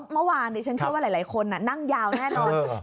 เมื่อวานผมว่าหลายคนน่ะนั่งยาวแน่นอน